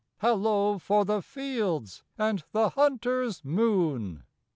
Hallo for the fields and the hunter's moon!"